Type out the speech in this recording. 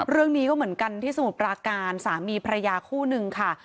เรื่องนี้ก็เหมือนกันที่สมุทรปราการสามีภรรยาคู่นึงค่ะ